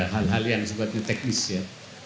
hal hal yang sifatnya teknis ya